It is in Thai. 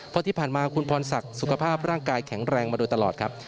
เพราะที่ผ่านมาคุณพรศักดิ์สุขภาพร่างกายแข็งแรงมาโดยตลอดครับ